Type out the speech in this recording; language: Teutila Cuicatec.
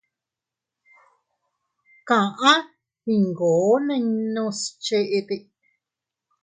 Kaʼa iyngoo ninnus cheʼete.